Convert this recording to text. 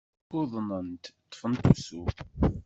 Uḍnent, ṭṭfent usu.